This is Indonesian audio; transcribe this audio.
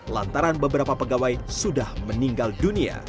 lantaran beberapa pegawai sudah meninggal dunia